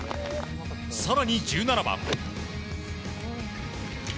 更に１７番。